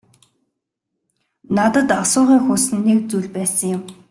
Надад асуухыг хүссэн нэг зүйл байсан юм.